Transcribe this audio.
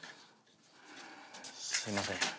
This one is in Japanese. すいません。